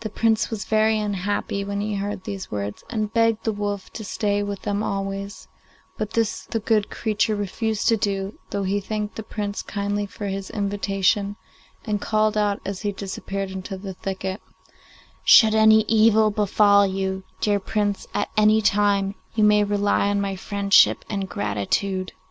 The Prince was very unhappy when he heard these words, and begged the wolf to stay with them always; but this the good creature refused to do, though he thanked the Prince kindly for his invitation, and called out as he disappeared into the thicket, 'Should any evil befall you, dear Prince, at any time, you may rely on my friendship and gratitude.